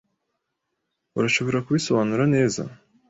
Urashobora kubisobanura neza?